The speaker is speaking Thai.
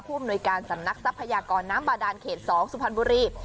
อำนวยการสำนักทรัพยากรน้ำบาดานเขต๒สุพรรณบุรี